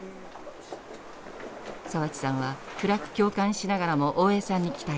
澤地さんは暗く共感しながらも大江さんに期待します。